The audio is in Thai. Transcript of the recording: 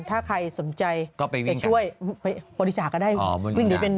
ถ้าใครสนใจจะช่วยบริจาคก็ได้